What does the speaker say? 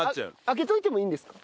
開けておいてもいいんですか？